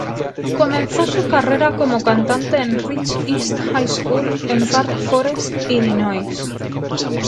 Comenzó su carrera como cantante en Rich East High School en Park Forest, Illinois.